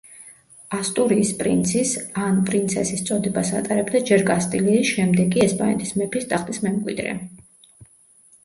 ასტურიის პრინცის, ან პრინცესის წოდებას ატარებდა ჯერ კასტილიის, შემდეგ კი ესპანეთის მეფის ტახტის მემკვიდრე.